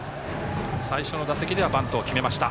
最初の打席ではバントを決めました。